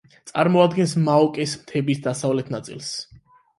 წარმოადგენს მაოკეს მთების დასავლეთ ნაწილს.